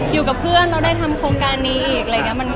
อยู่กับเพื่อนแล้วได้ทำโครงการนี้อีก